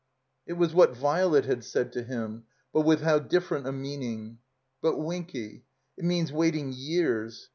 It was what Violet had said to him, but with how different a meaning ! But Winky — it means waiting years.